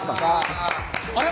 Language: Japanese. あれ？